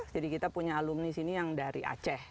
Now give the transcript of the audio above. jadi kita punya alumni sini yang dari aceh